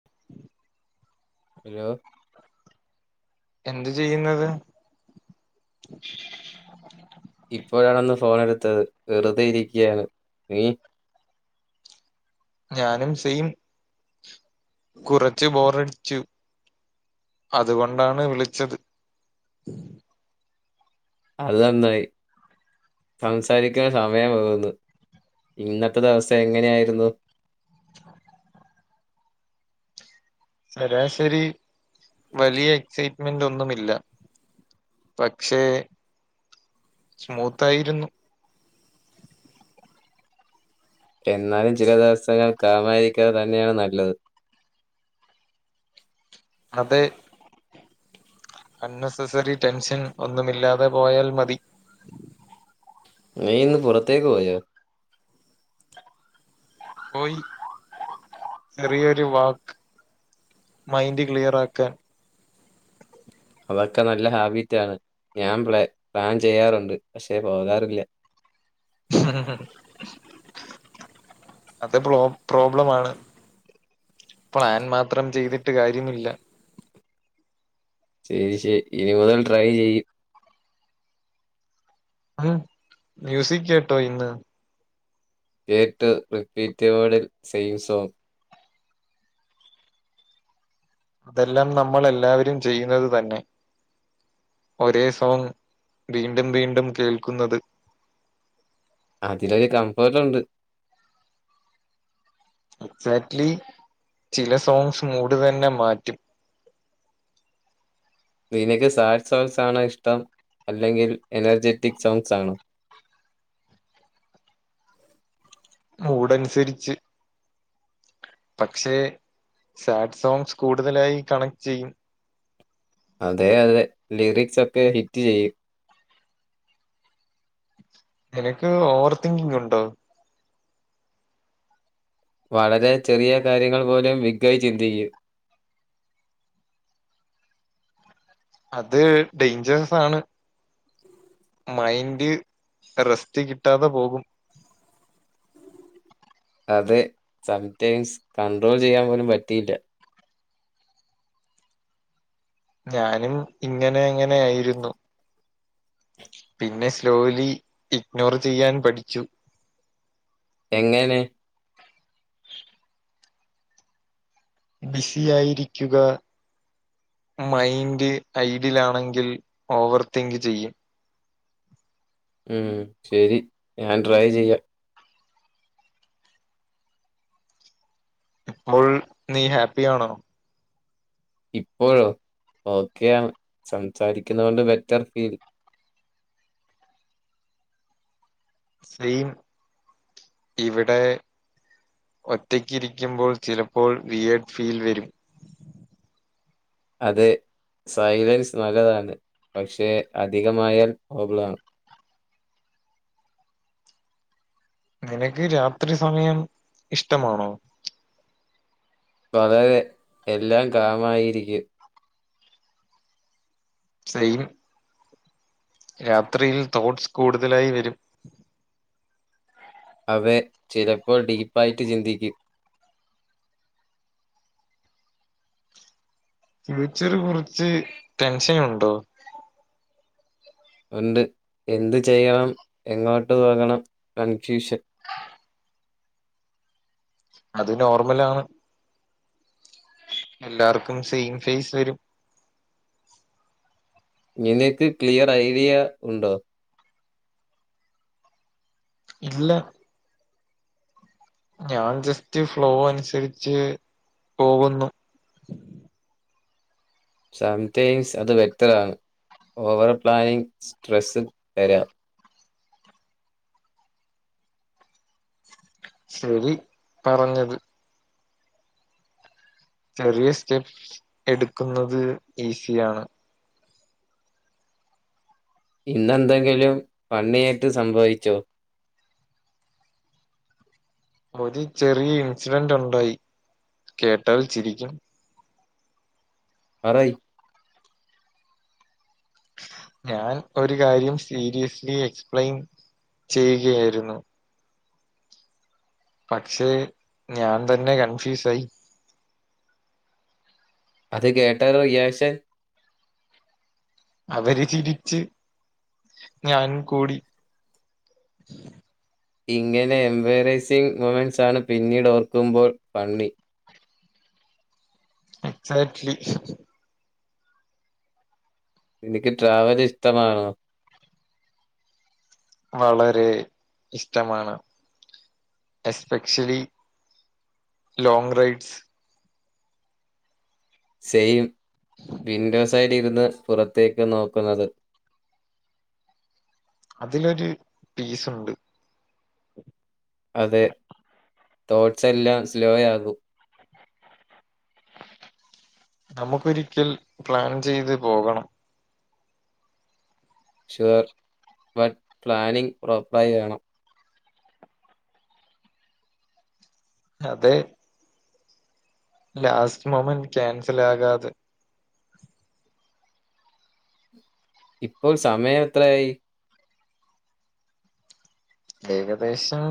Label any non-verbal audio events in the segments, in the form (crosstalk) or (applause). (inaudible) Hello എന്ത് ചെയ്യുന്നത് ഇപ്പോഴാണന്ന് ഫോണടുത്തത് വെറുതെ ഇരിക്ക്യാണ് നീ ഞാനും സെയിം കുറച്ച് ബോറടിച്ചു അതുകൊണ്ടാണ് വിളിച്ചത് അത് നന്നായി സംസാരിക്കാൻ സമയം പോവുന്നു ഇന്നത്തെ ദിവസം എങ്ങനെയായിരുന്നു ശരാശരി വലിയ എക്സൈറ്റ്മെന്റ് ഒന്നുമില്ല. പക്ഷേ സ്മൂത്തായിരുന്നു എന്നാലും ചില ദിവസങ്ങൾ കാമാരിക്കാത തന്നെയാണ് നല്ലത് അതെ അന്നെസസറി ടെൻഷൻ ഒന്നുമില്ലാതെ പോയാൽ മതി നീ ഇന്ന് പുറത്തേക്ക് പോയോ പോയി ചെറിയൊരു വാക്ക് മൈന്റ് ക്ലിയറാക്കാൻ അതൊക്കെ നല്ല ഹാബിറ്റാണ് ഞാൻ പ്ലേ പ്ലാൻ ചെയ്യാറുണ്ട് പക്ഷേ പോകാറില്ല അത് പ്രോ പ്രോബ്ലമാണ് പ്ലാൻ മാത്രം ചെയ്തിട്ട് കാര്യമില്ല ശെരി ശെ ഇനി മുതൽ ട്രൈ ചെയ്യും ഉം മൂസിക് കേട്ടോ ഇന്ന് കേട്ടു റിപ്പീറ്റ് മൂഡ്‌ സെയിം സോങ് അതെല്ലാം നമ്മളെല്ലാവരും ചെയ്യുന്നത് തന്നെ ഒരേ സോങ്ങ് വീണ്ടും വീണ്ടും കേൾക്കുന്നത് അതിലൊരു കംഫേർട്ട്ണ്ട് എക്സാക്റ്റ്ലി ചില സോങ്ങ്സ് മൂട് തന്നെ മാറ്റും നിനക്ക് സാഡ് സോങ്ങ്സ് ആണോ ഇഷ്ടം അല്ലെങ്കിൽ എനർജെറ്റിക് സോങ്ങ്സ് ആണോ മൂഡൻസര്ച്ച് പക്ഷെ സാഡ് സോങ്സ് കൂടുതലായി കണക്ട് ചെയ്യും അതെ അതെ ലിറിക്സൊക്കെ ഹിറ്റ് ചെയ്യും നിനക്ക് ഓവർ തിങ്കിങ് ഉണ്ടോ? വളരെ ചെറിയ കാര്യങ്ങൾ പോലും വിഗയ് ചിന്തിക്ക്യും അത് ഡെയ്ഞ്ചർസ് ആണ് മൈന്റ് റെസ്റ്റ് കിട്ടാതെ പോകും അതെ സംടൈംസ് കണ്ട്രോൾ ചെയ്യാൻ പോലും പറ്റിയില്ല ഞാനും ഇങ്ങനെ അങ്ങനെ ആയിരുന്നു പിന്നെ സ്ലോലി ഇഗ്നോർ ചെയ്യാൻ പഠിച്ചു എങ്ങെനെ? ബിസി ആയിരിക്കുക മൈൻഡ് ഐഡിലാണെങ്കിൽ ഓവർ തിങ്ക് ചെയ്യും ഉം ശെരി ഞാൻ ട്രൈ ചെയ്യാം മുൾ നീ ഹാപ്പിയാണോ? ഇപ്പോഴോ? ഓക്കെയാണ് സംസാരിക്കുന്നത് കൊണ്ട് ബെറ്റർ ഫീൽ സെയിം ഇവിടെ ഒറ്റയ്ക്കിരിക്കുമ്പോൾ ചിലപ്പോൾ ബിയേർഡ് ഫീൽ വരും അതെ സൈലൻസ് നല്ലതാണ് പക്ഷെ അധികമായാൽ പ്രോബ്ലണ് നിനക്ക് രാത്രി സമയം ഇഷ്ടമാണോ? വളരെ എല്ലാം കാമായിരിക്ക്യും സൈന് യാത്രയിൽ തോട്ട്സ് കൂടുതലായി വരും. അതെ ചിലപ്പോൾ ഡീപ്പായിട്ട് ചിന്തിക്കും. ഫ്യൂച്ചറ് കുറച്ച് ടെൻഷനൊണ്ടോ? ഇണ്ട് എന്തു ചെയ്യണം എങ്ങോട്ട് പോകണം കൺഫ്യൂഷൻ. അത് നോർമലാണ്. എല്ലാർക്കും സെയിം ഫേസ് വരും. നിനക്ക് ക്ലിയർ ഐഡിയ ഉണ്ടോ? ഇല്ല. ഞാൻ ജസ്റ്റ് ഫ്ലോ അനുസരിച്ച് പോകുന്നു. സംതിങ്സ് അത് ബെറ്ററാണ്, ഓവർ പ്ലാനിങ് സ്ട്രെസ്സ് തരാ. ശരി പറഞ്ഞത്. ചെറിയ സ്റ്റെപ്പ്സ് എടുക്കുന്നത് ഈസിയാണ്. ഇന്നെന്തെങ്കിലും ഫണ്ണിയായിട്ട് സംഭവിച്ചോ? ഒരു ചെറിയ ഇൻസിഡന്റ് ഒണ്ടായി, കേട്ടാൽ ചിരിക്കും. പറയ്‌. ഞാൻ ഒരു കാര്യം സീരിയസ്ലി എക്സ്പ്ലെയിൻ ചെയ്യുകയായിരുന്നു പക്ഷെ ഞാൻ തന്നെ കൺഫ്യൂസായി അത് കേട്ടവരുടെ റിയാക്ഷൻ അവര് ചിരിച്ച് ഞാനും കൂടി. ഇങ്ങനെ എംബരാസിങ് മോമെൻറ്സാണ് പിന്നീടോർക്കുമ്പോൾ ഫണ്ണി. എക്സാക്ട്ലി. നിനക്ക് ട്രാവലിഷ്ടമാണോ? വളരെ ഇഷ്ടമാണ് എസ്പെക്ഷ്യലി ലോങ് റൈഡ്സ്. സെയിം, വിൻഡോസൈഡി ഇരുന്ന് പുറത്തേക്ക് നോക്കുന്നത്. അതിലൊരു പീസുണ്ട്. അതെ, തോട്ട്സെല്ലാം സ്ലോയാകും. നമുക്കൊരിക്കൽ പ്ലാൻ ചെയ്ത് പോകണം. ഷുവർ, ബട്ട് പ്ലാനിങ് പ്രോപ്പറായി വേണം. അതേ. ലാസ്റ്റ് മോമെന്റ് ക്യാൻസൽ ആകാതെ ഇപ്പോൾ സമയം എത്രയായി? ഏകദേശം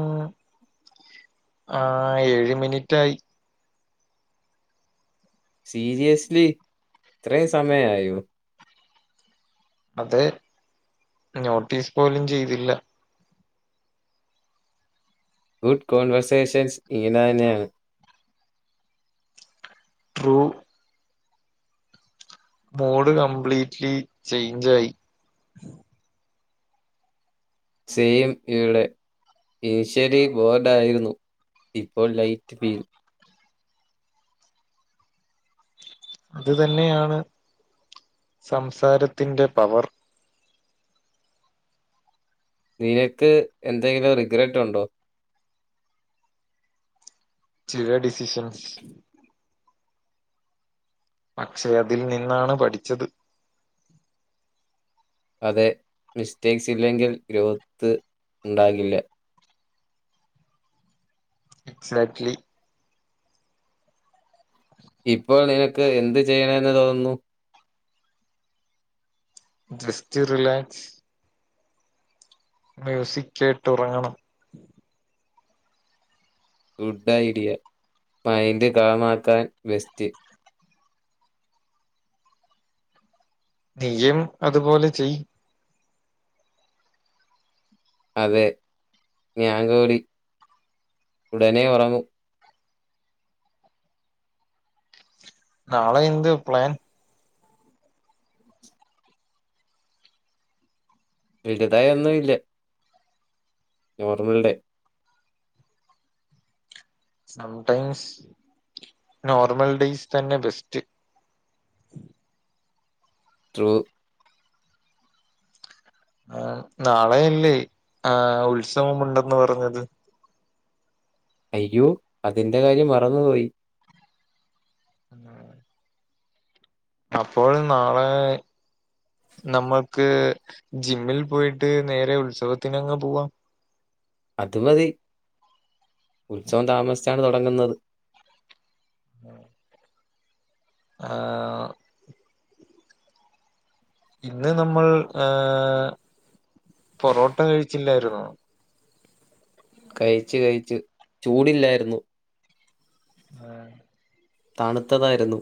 ആ ഏഴ് മിനിറ്റായി. സീരിയസ്ലി ഇത്രേം സമയായോ? അതേ നോട്ടീസ് പോലും ചെയ്തില്ല. ഗുഡ് കോൺവെർസേഷൻസ് ഇങ്ങനെ തന്നെയാണ്. ട്രൂ. മൂഡ് കംപ്ലീറ്റ്ലി ചേഞ്ചായി. സെയിം ഇവിടെ. ഇനിഷ്യലി ബോർഡായിരുന്നു ഇപ്പോൾ ലൈറ്റ് ഫീൽ. അത് തന്നെയാണ്, സംസാരത്തിന്റെ പവർ. നിനക്ക് എന്തെങ്കിലും റിഗ്രറ്റൊണ്ടോ? ചില ഡിസിഷൻസ് പക്ഷെ അതിൽ നിന്നാണ് പഠിച്ചത്. അതെ മിസ്റ്റേക്സ് ഇല്ലെങ്കിൽ ഗ്രോത്ത് ഉണ്ടാകില്ല. എക്സാക്ട്ലി. ഇപ്പോൾ നിനക്ക് എന്ത് ചെയ്യണെന്ന് തോന്നുന്നു? Just relax. മ്യൂസിക് കേട്ടുറങ്ങണം. ഗുഡ് ഐഡിയ മൈൻഡ് കാമാക്കാൻ ബെസ്റ്റ്. നീയും അതുപോലെ ചെയ്യ്. അതെ ഞങ്കൂടി ഉടനെ ഉറങ്ങും. നാളെ എന്ത് പ്ലാൻ? വലതായ ഒന്നും ഇല്ല normal day sometimes normal days തന്നെ ബെസ്റ്റ്. ത്രൂ ആഹ്‌ നാളെയല്ലേ ആഹ്‌ ഉത്സവംുണ്ടെന്ന്ു പറഞ്ഞത് അയ്യോ അതിന്റെ കാര്യം മറന്നുപോയി (unintelligible) അപ്പോഴ നാളെ നമ്മൾക്ക് ജിമ്മിൽ പോയിട്ട് നേരെ ഉത്സവത്തിനങ്ങങ് പോവാം. അതുമതി ഉത്സവം താമസിച്ചാണ് തുടങ്ങുന്നത്. ഉം ആഹ്‌ ഇന്ന് നമ്മൾ ഏഹ് പൊറോട്ട കഴിച്ചില്ലായിരുന്നോ കഴിച്ച് കഴിച്ച് ചൂടില്ലായിരുന്നു. ആഹ്‌ താണുത്തതായിരുന്നു.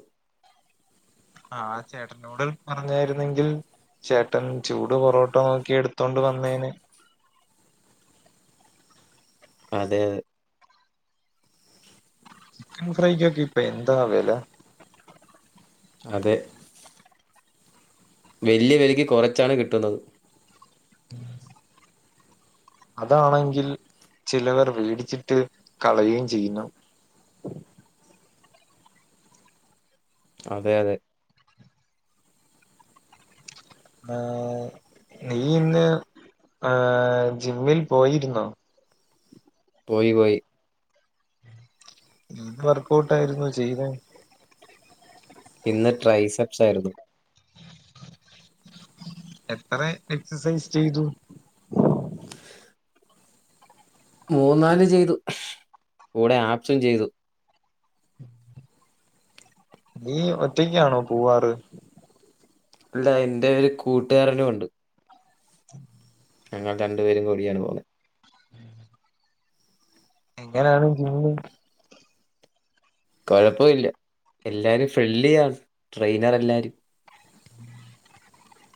ആഹ്‌ ചേട്ടനോട് പറഞ്ഞായിരുന്നെങ്കിൽ ചേട്ടൻ ചൂട് പൊറോട്ടോ നോക്കി എടുത്തോണ്ട് വന്നേന് അതെ ചിക്കൻ ഫ്രൈക്കൊക്കെ ഇപ്പ എന്താ വേല അതെ വലിയ വലക്ക് കുറച്ചാണ് കിട്ടുന്നത്. ഉം അതാണെങ്കിൽ ചിലവർ വേടിച്ചിട്ട് കളയുകയും ചെയ്യുന്നു. അതെ അതെ നീ ഇന്ന് ഏഹ് ജിമ്മിൽ പോയിരുന്നോ? പോയി പോയി വർക്ക ഔട്ട് ആയിരുന്നു ചെയ്ത ഇന്ന് ട്രൈസെപ്സ് ആയിരുന്നു എത്ര എക്സസൈസ് ചെയ്തു മൂന്നാല് ചെയ്തു കൂടെ ആപ്സും ചെയ്തു നീ ഒറ്റയ്ക്കാണോ പോവാറ് ഇല്ല എന്റെ ഒരു കൂട്ടുകാരനും ഉണ്ട് ഞങ്ങൾ രണ്ടുപേരും കൂടിയാണ് പോകുന്നത് ഉം എങ്ങനാണ് ജിമ്മ് കൊഴപ്പില്ല എല്ലാരും ഫ്രണ്ട്ലി ആണ്‌ ട്രെയിനർ എല്ലാരും ഉം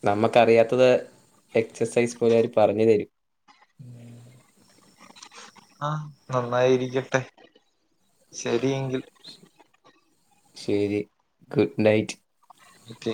നമുക്കറിയാത്തത് എക്സസൈസ് പോലെ അവർ പറഞ്ഞു തരും ആഹ് നന്നായിരിക്കട്ടെ ശരിയെങ്കിൽ ശരി ഗുഡ് നൈറ്റ് ഒക്കെ